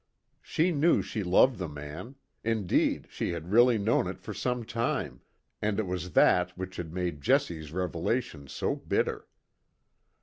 She knew she loved the man; indeed, she had really known it for some time, and it was that which had made Jessie's revelation so bitter.